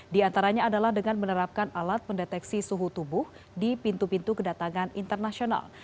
di antaranya adalah dengan menerapkan alat mendeteksi suhu tubuh di pintu pintu kedatangan internasional